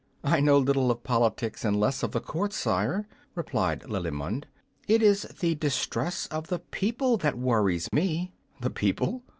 "I know little of politics and less of the court, sire," replied Lilimond; "it is the distress of the people that worries me." "The people?